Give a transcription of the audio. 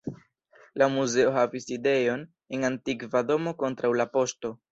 La muzeo havis sidejon en antikva domo kontraŭ la poŝto.